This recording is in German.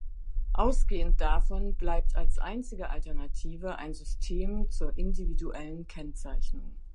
Ausgehend davon bleibt als einzige Alternative ein System zur individuellen Kennzeichnung.